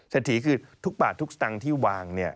เศรษฐีคือทุกบาททุกตังค์ที่วางเนี่ย